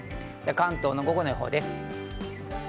関東の午後の予報です。